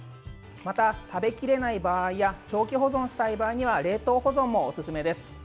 また、食べきれない場合や長期保存したい場合には冷凍保存もおすすめです。